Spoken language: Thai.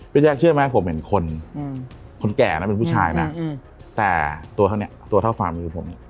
พี่แจ๊กเชื่อไหมผมเห็นคนคนแก่นะเป็นผู้ชายแต่ตัวเท่าฟรีมาคือผม